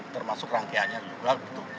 termasuk rangkaiannya juga